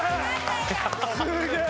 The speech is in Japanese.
すげえ！